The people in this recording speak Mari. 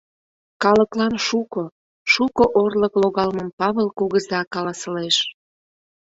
— Калыклан шуко, шуко орлык логалмым Павыл кугыза каласылеш.